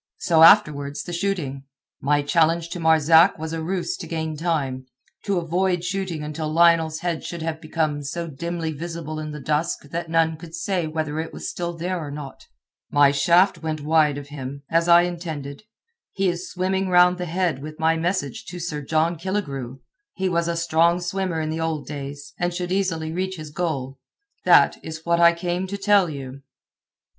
So afterwards the shooting. My challenge to Marzak was a ruse to gain time—to avoid shooting until Lionel's head should have become so dimly visible in the dusk that none could say whether it was still there or not. My shaft went wide of him, as I intended. He is swimming round the head with my message to Sir John Killigrew. He was a strong swimmer in the old days, and should easily reach his goal. That is what I came to tell you."